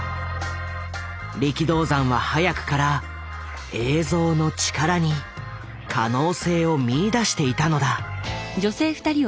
力道山は早くから「映像」の力に可能性を見いだしていたのだ。